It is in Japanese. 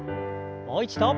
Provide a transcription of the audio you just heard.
もう一度。